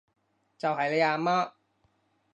就係你阿媽